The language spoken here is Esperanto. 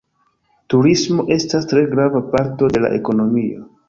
Turismo estas tre grava parto de la ekonomio.